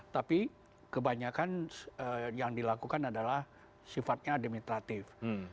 tapi kebanyakan yang dilakukan adalah sifatnya administratif